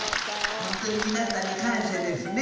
ホントに皆さんに感謝ですね